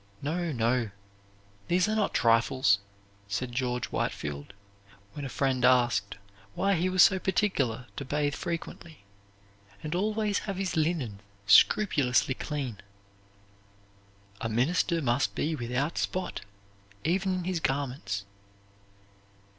"No, no, these are not trifles," said George Whitefield, when a friend asked why he was so particular to bathe frequently, and always have his linen scrupulously clean; "a minister must be without spot, even in his garments."